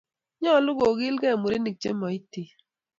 nyoluu kokirgei murenik che chemoitin